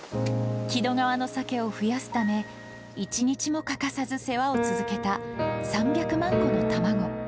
木戸川のサケを増やすため、一日も欠かさず世話を続けた３００万個の卵。